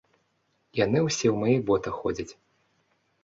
Яны ўсе ў маіх ботах ходзяць!